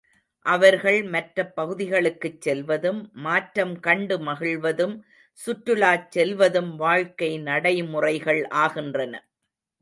அவர்கள் மற்ற பகுதிகளுக்குச் செல்வதும், மாற்றம் கண்டு மகிழ்வதும், சுற்றுலாச் செல்வதும் வாழ்க்கை நடைமுறைகள் ஆகின்றன.